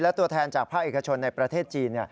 และตัวแทนจากภาคเอกชนในประเทศจีน